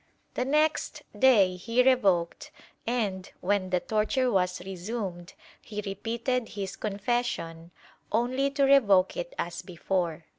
The next day he revoked and, when the torture was resumed, he repeated his confession, only to revoke it as before.